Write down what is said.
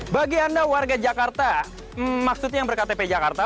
bagi anda warga jakarta maksudnya yang berkata p jakarta